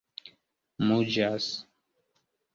muĝas